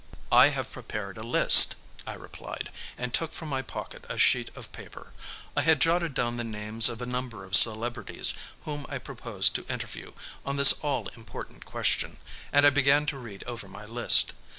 "I have prepared a list," I replied, and took from my pocket a sheet of paper. I had jotted down the names of a number of celebrities whom I proposed to interview on this all important question, and I began to read over my list.